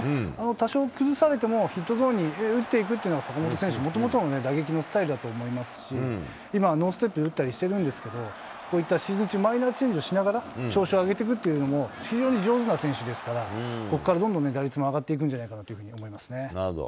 多少崩されてもヒットゾーンに打っていくっていうのが、坂本選手、もともとのね、打撃のスタイルだと思いますし、今、ノンステップで打ったりしてるんですけれども、こういったシーズン中、マイナーチェンジをしながら調子を上げていくというのも非常に上手な選手ですから、ここからどんどんね、打率も上がっていくんじなるほど。